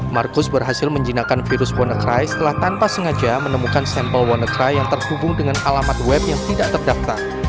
marcus berhasil menjinakkan virus wannacry setelah tanpa sengaja menemukan sampel wannacry yang terhubung dengan alamat web yang tidak terdaftar